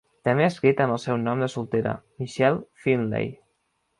També ha escrit amb el seu nom de soltera, Michelle Finley.